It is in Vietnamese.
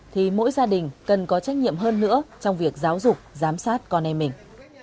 thì mỗi gia đình cần có trách nhiệm hơn nữa trong việc giáo dục giám sát con em mình